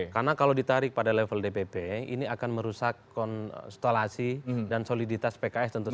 karena kalau ditarik pada level dpp ini akan merusak konstelasi dan soliditas pks tentu saja